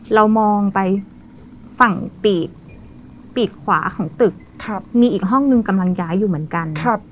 เรามองไปฝั่งปีกขวาของตึกมีอีกห้องนึงกำลังย้ายอยู่เหมือนกัน